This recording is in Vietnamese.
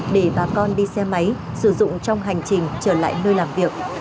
để bà con đi xe máy sử dụng trong hành trình trở lại nơi làm việc